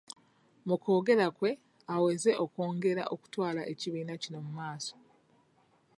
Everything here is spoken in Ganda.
Mu kwogera kwe aweze okwongera okutwala ekibiina kino mu maaso.